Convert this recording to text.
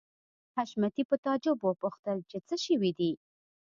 حشمتي په تعجب وپوښتل چې څه شوي دي